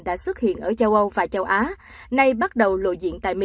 đã xuất hiện ở châu âu và châu á nay bắt đầu lộ diện tại mỹ